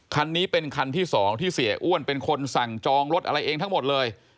คันนี้เป็นคันที่๒ที่เสียอ้วนเป็นคนสั่งจองรถอะไรเองทั้งหมดเลย